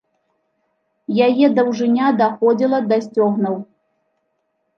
Яе даўжыня даходзіла да сцёгнаў.